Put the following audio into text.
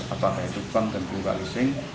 apakah itu bank dan bank leasing